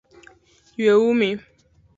Yue umi